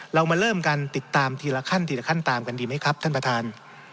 เรามาเริ่มกันติดตามทีละขั้นทีละขั้นตามกันดีไหมครับท่านประธาน